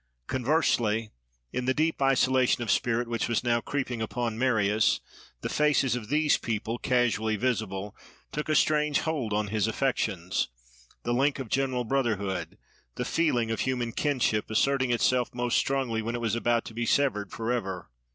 Conversely, in the deep isolation of spirit which was now creeping upon Marius, the faces of these people, casually visible, took a strange hold on his affections; the link of general brotherhood, the feeling of human kinship, asserting itself most strongly when it was about to be severed for ever.